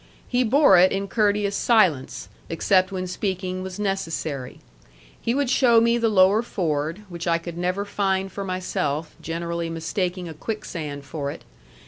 He bore it in courteous silence, except when speaking was necessary. He would show me the lower ford, which I could never find for myself, generally mistaking a quicksand for it.